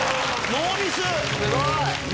ノーミス！